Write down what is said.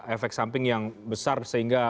efek samping yang besar sehingga